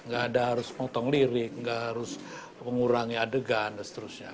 nggak ada harus potong lirik nggak harus mengurangi adegan dan seterusnya